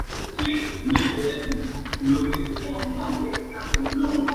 Fue la figura central del movimiento ilirio.